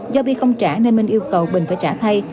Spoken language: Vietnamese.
do bi không trả nên minh yêu cầu bình phải trả thay